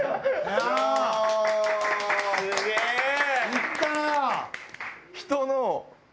いったな！